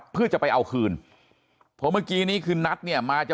เพื่อจะไปเอาคืนเพราะเมื่อกี้นี้คือนัทเนี่ยมาจะ